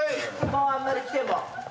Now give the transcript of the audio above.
もうあんまり着ても。